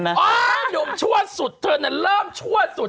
หนุ่มชั่วสุดเธอนั้นเริ่มชั่วสุด